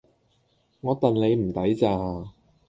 我戥你唔抵咋